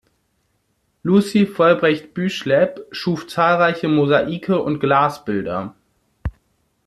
Lucy Vollbrecht-Büschlepp schuf zahlreiche Mosaike und Glasbilder.